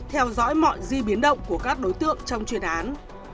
theo dõi mọi di biến động của các đối tượng trong chuyên án